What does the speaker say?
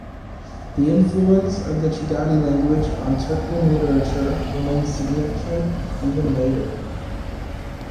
The influence of the Chagatai language on Turkmen literature remained significant even later.